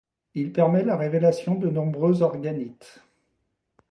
Il permet la révélation de nombreuses organites.